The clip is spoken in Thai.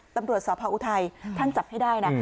ตำรวจสพออุทัยท่านจับให้ได้นะ